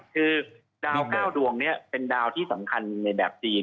คือ๙ดวงนี้เป็นดาวที่สำคัญในแบบจีน